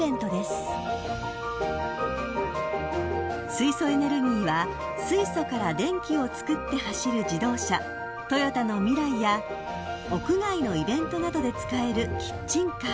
［水素エネルギーは水素から電気をつくって走る自動車トヨタのＭＩＲＡＩや屋外のイベントなどで使える］